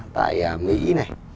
tại mỹ này